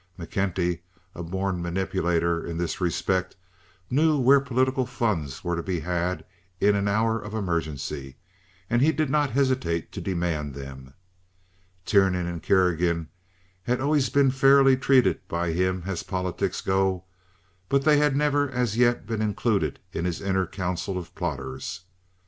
McKenty—a born manipulator in this respect—knew where political funds were to be had in an hour of emergency, and he did not hesitate to demand them. Tiernan and Kerrigan had always been fairly treated by him as politics go; but they had never as yet been included in his inner council of plotters.